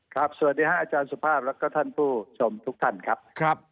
สวัสดีครับอาจารย์สุภาพแล้วก็ท่านผู้ชมทุกท่านครับ